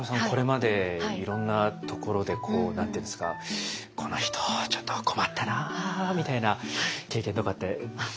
これまでいろんなところで何て言うんですか「この人ちょっと困ったな」みたいな経験とかって？